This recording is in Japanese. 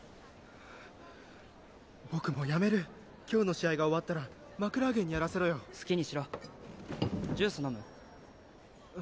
僕もうやめる今日の試合が終わったらマクラーゲンにやらせろよ好きにしろジュース飲む？